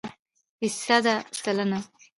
فیصده √ سلنه